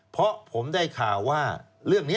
เพราะผมได้ข่าวว่าเรื่องนี้